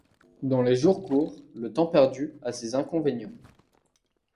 Dans les jours courts le temps perdu a ses inconvénients.